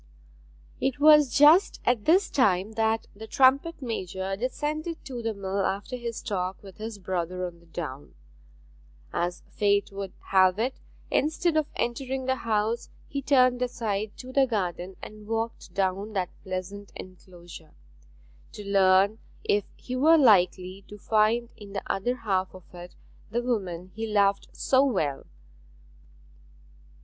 It was just at this time that the trumpet major descended to the mill after his talk with his brother on the down. As fate would have it, instead of entering the house he turned aside to the garden and walked down that pleasant enclosure, to learn if he were likely to find in the other half of it the woman he loved so well.